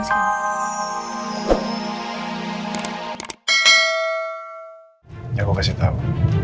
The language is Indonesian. ya aku kasih tau